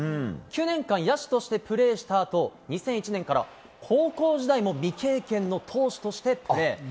９年間野手としてプレーしたあと、２００１年から高校時代も未経験の投手としてプレー。